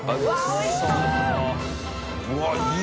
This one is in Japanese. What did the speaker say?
おいしそう。